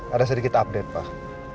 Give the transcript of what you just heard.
ada sedikit update pak